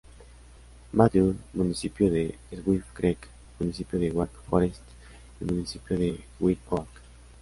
Matthews, Municipio de Swift Creek, Municipio de Wake Forest y Municipio de White Oak.